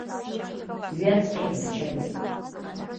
Дҩаҵҟьеит аначальник.